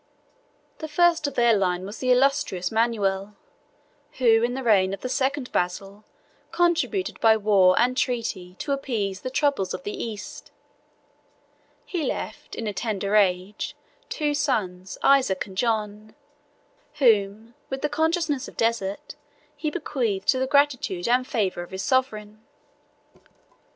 The first of their line was the illustrious Manuel, who in the reign of the second Basil, contributed by war and treaty to appease the troubles of the East: he left, in a tender age, two sons, Isaac and John, whom, with the consciousness of desert, he bequeathed to the gratitude and favor of his sovereign.